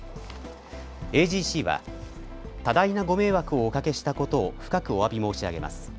ＡＧＣは多大なご迷惑をおかけしたことを深くおわび申し上げます。